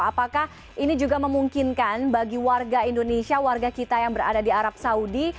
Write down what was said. apakah ini juga memungkinkan bagi warga indonesia warga kita yang berada di arab saudi